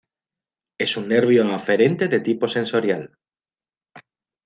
Es un nervio aferente de tipo sensorial.